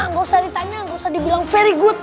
nggak usah ditanya nggak usah dibilang very good